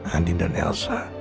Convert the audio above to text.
andi dan elsa